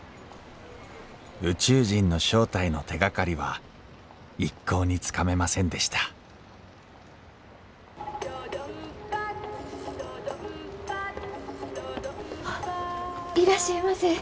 宇宙人の正体の手がかりは一向につかめませんでしたあっいらっしゃいませ。